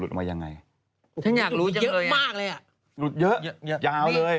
หลุดเยอะยาวเลย